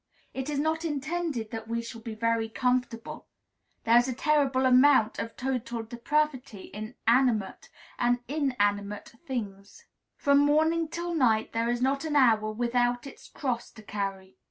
It is not intended that we shall be very comfortable. There is a terrible amount of total depravity in animate and inanimate things. From morning till night there is not an hour without its cross to carry.